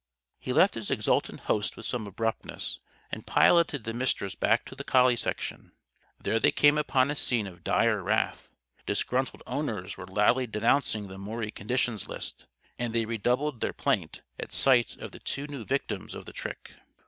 He left his exultant host with some abruptness, and piloted the Mistress back to the Collie Section. There they came upon a scene of dire wrath. Disgruntled owners were loudly denouncing the Maury conditions list, and they redoubled their plaint at sight of the two new victims of the trick.